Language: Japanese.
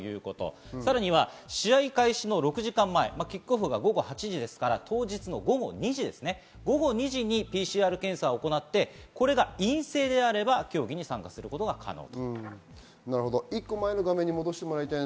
さらに試合開始の６時間前、キックオフが午後８時ですから当日午後２時にＰＣＲ検査を行って陰性であれば競技に参加することが可能です。